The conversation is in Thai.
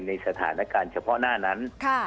ในสถานการณ์เฉพาะหน้านั้น